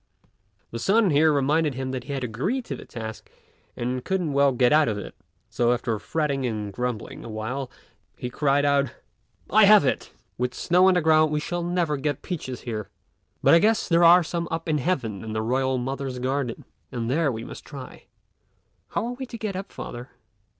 His son here reminded him that he had agreed to the task and couldn't well get out of it; so, after fretting and grumbling awhile, he cried out, "I have it! with snow on the ground we shall never get peaches here; but I guess there are some up in heaven in the Royal Mother's garden, and there we must try." "How are we to get up, father?"